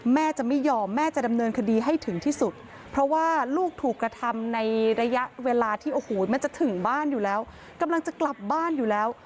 แม่จะไม่ยอมแม่จะดำเนินคดีให้ถึงที่สุดเพราะว่าลูกถูกกระทำในระยะเวลาที่โอ้โหมันจะถึงบ้านอยู่แล้วกำลังจะกลับบ้านอยู่แล้ว